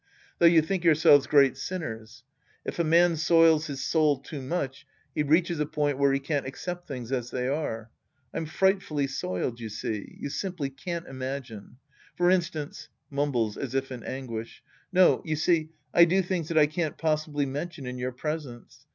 Though you think yourselves great sinners. If a man soils his soul too much, he reaches a point where he can't accept things as they are. I'm fright fully soiled, you see. You simply can't imagine. For instance — {Mumbles as if in anginsh.) No, you see, I do things that I can't possibly mention in your presence.